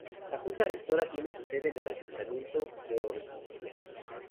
La Junta Rectora tiene su sede en el Ayuntamiento de Ordizia.